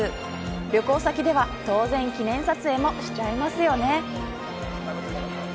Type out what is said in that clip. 旅行先では当然記念撮影もしちゃいますよね。